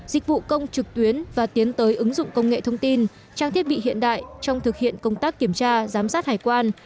dịch vụ công trực tuyến và tiến tới ứng dụng công nghệ thông tin trang thiết bị hiện đại trong thực hiện công tác kiểm tra giám sát hải quan